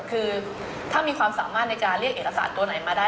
คือถ้ามีความสามารถในการเรียกเอกสารตัวไหนมาได้